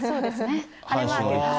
晴れマーク。